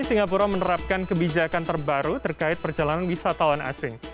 singapura menerapkan kebijakan terbaru terkait perjalanan wisatawan asing